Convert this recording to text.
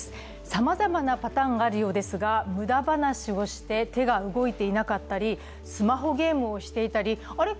さまざまなパターンがあるようですが無駄話をして手が動いてなかったり、スマホゲームをしていたり、あれ、